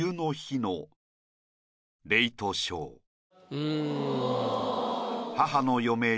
うん。